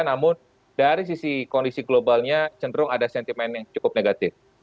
namun dari sisi kondisi globalnya cenderung ada sentimen yang cukup negatif